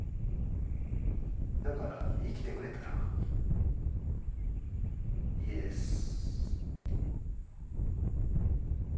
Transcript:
だから生きてくれたらいいです。